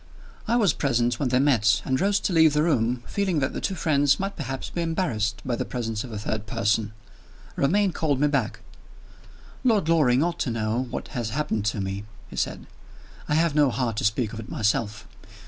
I was present when they met, and rose to leave the room, feeling that the two friends might perhaps be embarrassed by the presence of a third person. Romayne called me back. "Lord Loring ought to know what has happened to me," he said. "I have no heart to speak of it myself.